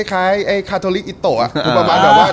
คล้ายคาทอลิกอิโตะ